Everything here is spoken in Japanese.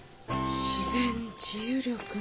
自然治癒力ね。